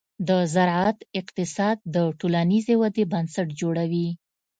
د زراعت اقتصاد د ټولنیزې ودې بنسټ جوړوي.